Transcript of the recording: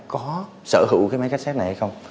có sở hữu cái máy cassette này hay không